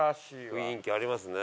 雰囲気ありますね。